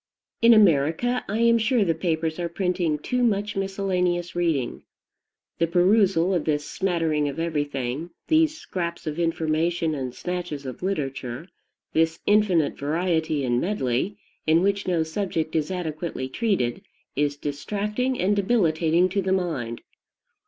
In America I am sure the papers are printing too much miscellaneous reading. The perusal of this smattering of everything, these scraps of information and snatches of literature, this infinite variety and medley, in which no subject is adequately treated, is distracting and debilitating to the mind.